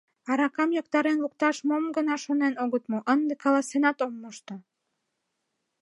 Аракам йоктарен лукташ мом гына шонен огыт му — ынде каласенат ом мошто...